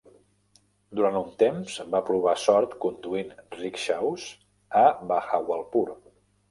Durant un temps va provar sort conduint rickshaws a Bahawalpur.